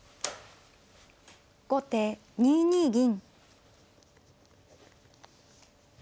後手２二銀。